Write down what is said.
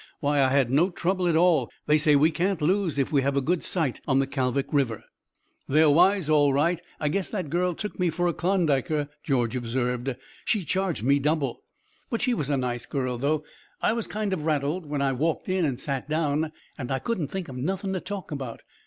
Why, I had no trouble at all. They say we can't lose if we have a good site on the Kalvik River." "They're wise, all right. I guess that girl took me for a Klondiker," George observed. "She charged me double. But she was a nice girl, though. I was kind of rattled when I walked in and sat down, and I couldn't think of nothing to talk about.